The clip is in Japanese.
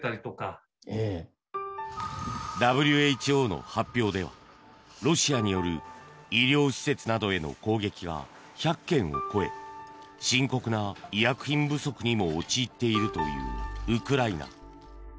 ＷＨＯの発表ではロシアによる医療施設などへの攻撃が１００件を超え深刻な医薬品不足にも陥っているというウクライナ。